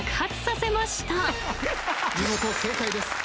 見事正解です。